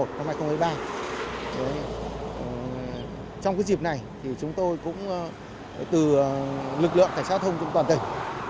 trong cái dịp này thì chúng tôi cũng từ lực lượng cảnh sát giao thông trong toàn tỉnh